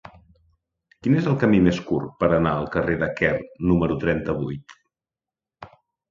Quin és el camí més curt per anar al carrer de Quer número trenta-vuit?